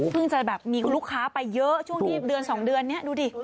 จะแบบมีลูกค้าไปเยอะช่วงที่เดือน๒เดือนนี้ดูดิ